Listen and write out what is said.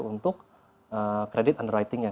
untuk kredit underwriting nya